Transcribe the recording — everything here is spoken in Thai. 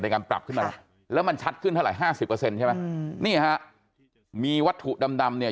ในการปรับแล้วมันชัดขึ้นถ้าไหร่๕๐ใช่ไหมมีวัตถุดำเนี่ย